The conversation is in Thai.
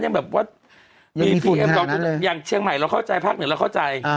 ยังแบบว่ามีพุ่นอย่างเชียงใหม่เราเข้าใจภาคเหนียวเราเข้าใจ